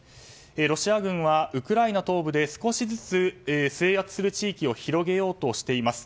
ロシア軍はウクライナ東部で少しずつ制圧する地域を広げようとしています。